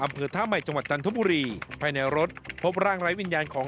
อำเภอท่าใหม่จังหวัดจันทบุรีภายในรถพบร่างไร้วิญญาณของ